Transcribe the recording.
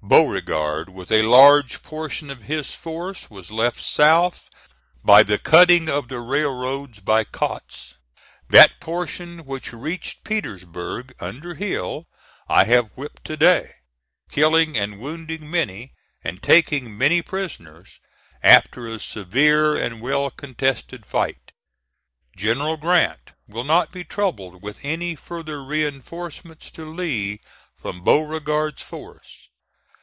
"Beauregard, with a large portion of his force, was left south by the cutting of the railroads by Kautz. That portion which reached Petersburg under Hill I have whipped to day, killing and wounding many, and taking many prisoners, after a severe and well contested fight. "General Grant will not be troubled with any further reinforcements to Lee from Beauregard's force.